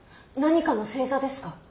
何かの星座ですか？